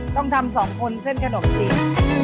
ต้องทำสองคนเส้นขนมจีน